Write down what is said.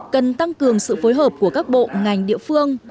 cần tăng cường sự phối hợp của các bộ ngành địa phương